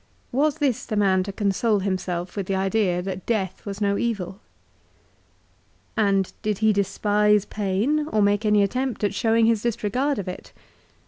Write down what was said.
Was this the man to console himself with the idea that death was no evil ? And did he despise pain or make any attempt at showing his disregard of it